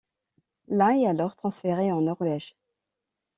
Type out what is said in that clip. La est alors transférée en Norvège.